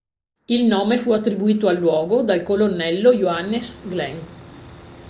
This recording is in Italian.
Il nome fu attribuito al luogo dal colonnello Johannes Glen.